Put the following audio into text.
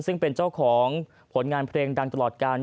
ซึ่งเป็นเจ้าของผลงานเพลงดังตลอดการ